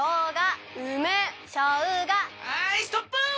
はいストップ！